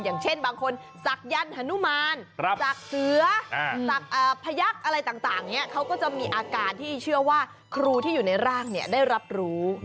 อย่างเช่นบางคนศักยันต์ฮานุมานจากเสือจากพยักษ์อะไรต่างเขาก็จะมีอาการที่เชื่อว่าครูที่อยู่ในร่างได้รับรู้